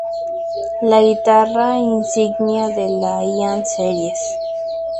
La guitarra insignia de la Ian Series.